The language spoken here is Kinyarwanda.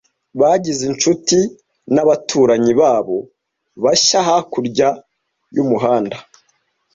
Bagize inshuti nabaturanyi babo bashya hakurya y'umuhanda.